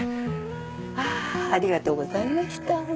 あありがとうございました。